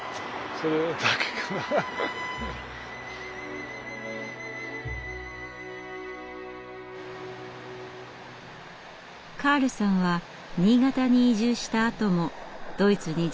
カールさんは新潟に移住したあともドイツに自宅を残してきたそうです。